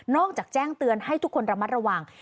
จากแจ้งเตือนให้ทุกคนระมัดระวัง